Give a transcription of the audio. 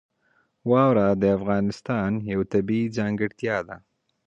واوره د افغانستان یوه طبیعي ځانګړتیا ده.